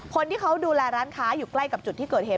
คนที่เขาดูแลร้านค้าอยู่ใกล้กับจุดที่เกิดเหตุ